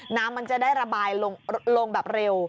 น้ำมันจะได้ระบายลงแบบเร็ว